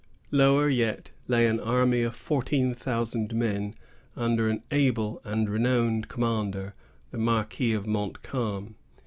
Lower yet lay an army of fourteen thousand men, under an able and renowned commander, the Marquis of Montcalm.